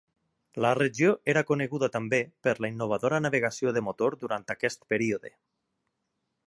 La regió era coneguda també per la innovadora navegació de motor durant aquest període.